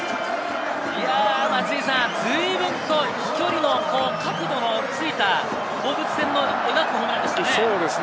随分と飛距離と角度のついた放物線の描くホームランでしたね。